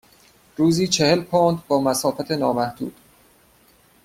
روزی چهل پوند با مسافت نامحدود.